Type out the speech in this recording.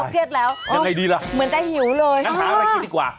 เครียดแล้วอย่างไรดีล่ะน้ำหาอะไรกินดีกว่าค่ะ